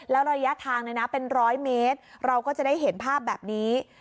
แล้วระยะทางเป็นร้อยเมตรเราก็จะได้เห็นภาพแบบนี้